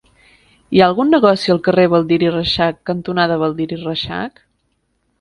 Hi ha algun negoci al carrer Baldiri Reixac cantonada Baldiri Reixac?